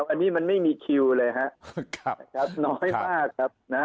อันนี้มันไม่มีคิวเลยครับน้อยมากครับ